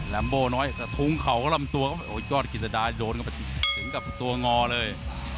ลัมโบน้อยกระทุงเขาก็ลำตัวโอ้ยยอดกิจดาโดนกับตัวงอเลย